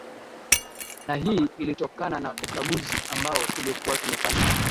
na hii ilitokana na ukaguzi ambao tulikuwa tumefanya